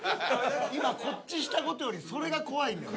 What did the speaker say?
今こっちした事よりそれが怖いねん。